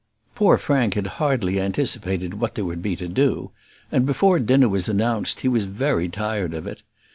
Poor Frank had hardly anticipated what there would be to do, and before dinner was announced he was very tired of it.